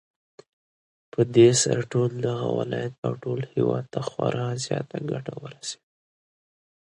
پدې سره ټول دغه ولايت او ټول هېواد ته خورا زياته گټه ورسېده